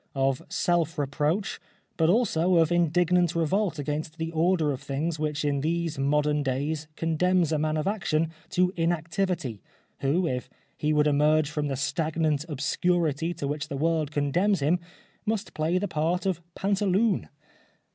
Of self reproach, but also of indignant revolt against the order of things which in these modern days condemns a man of action to inactivity, who, if he v/ould emerge from the stagnant obscurity to which the world condemns him, must play the part of pantaloon.